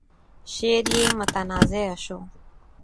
شعر يې متنازعه شو.